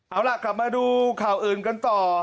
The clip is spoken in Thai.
เอาล่ะกลับมาดูข่าวอื่นกันต่อ